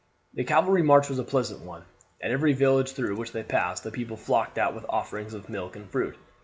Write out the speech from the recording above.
The cavalry march was a pleasant one. At every village through which they passed the people flocked out with offerings of milk and fruit.